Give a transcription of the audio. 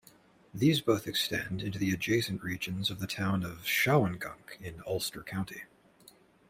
These both extend into adjacent regions of the Town of Shawangunk in Ulster County.